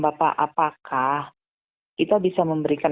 bapak apakah kita bisa memberikan